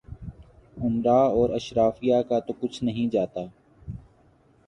امرا اور اشرافیہ کا تو کچھ نہیں جاتا۔